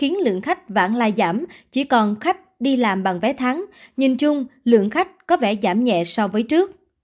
nhìn chung lượng khách có vẻ giảm nhẹ so với trước